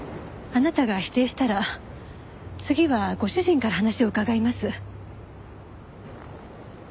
あなたが否定したら次はご主人から話を伺います。